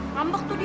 ngambek tuh dia